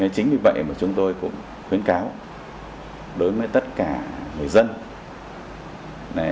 chính vì vậy mà chúng tôi cũng khuyến cáo đối với tất cả người dân